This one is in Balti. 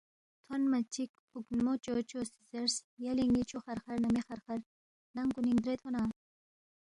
تھونما چِک ہُوکھنمو چوچو سی زیرس، یلے ن٘ی چھُوخرخر نہ مےخرخرمو ننگ کُنِنگ درے تھون٘ا ؟